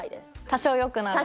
多少よくなる？